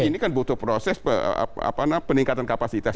ini kan butuh proses peningkatan kapasitas